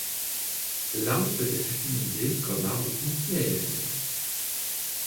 L'arme peut être utilisé comme arme antiaérienne.